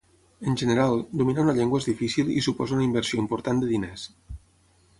En general, dominar una llengua és difícil i suposa una inversió important de diners.